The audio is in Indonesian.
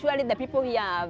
pasti orang di sini sangat